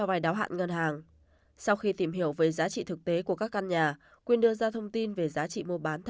bà ntd ngụ xã tân xuân huyện hóc môn